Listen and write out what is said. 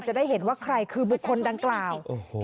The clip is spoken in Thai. จะได้เห็นว่าใครคือบุคคลดังกล่าว